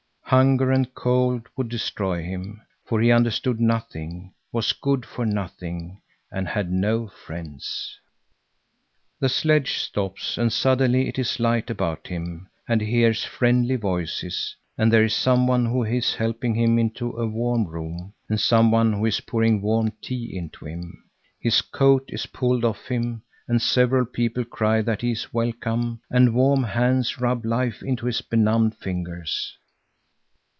Hunger and cold would destroy him, for he understood nothing, was good for nothing and had no friends. The sledge stops, and suddenly it is light about him, and he hears friendly voices, and there is some one who is helping him into a warm room, and some one who is pouring warm tea into him. His coat is pulled off him, and several people cry that he is welcome, and warm hands rub life into his benumbed fingers.